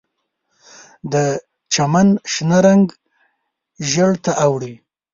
د چمن شنه رنګ ژیړ ته اړوي